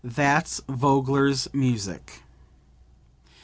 That's Vogler's music."